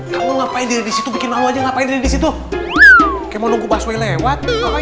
kamu ngapain di situ bikin mau aja ngapain di situ kemau nunggu baswe lewat